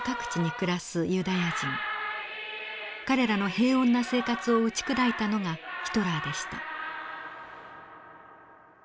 彼らの平穏な生活を打ち砕いたのがヒトラーでした。